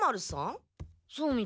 そうみたい。